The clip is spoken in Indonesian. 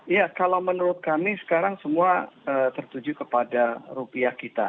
iya kalau menurut kami sekarang semua tertuju kepada rupiah kita